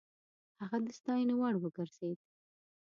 هغه د ستاينې وړ وګرځېد.